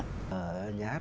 nhà áp nghệ thuật